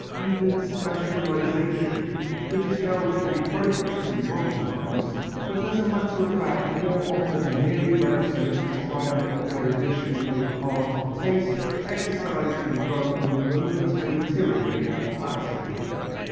Even specialization, which is held to be progress in modern times, but as a matter of fact more often merely represents the triumph of erudition over art and taste, exercised in Rome the momentary tyranny of fashion.